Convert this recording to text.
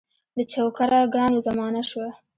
د چوکره ګانو زمانه شوه.